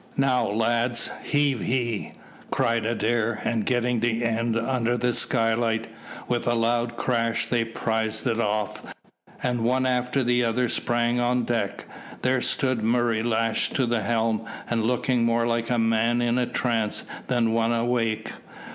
"Now, lads. Heave he!" cried Adair, and getting the end under the skylight, with a loud crash they prized it off, and one after the other sprang on deck. There stood Murray lashed to the helm, and looking more like a man in a trance than one awake.